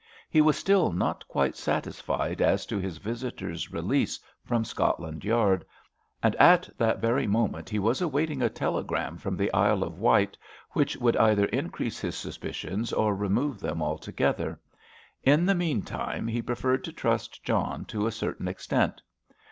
He was still not quite satisfied as to his visitor's release from Scotland Yard, and at that very moment he was awaiting a telegram from the Isle of Wight which would either increase his suspicions or remove them altogether. In the meantime, he preferred to trust John to a certain extent.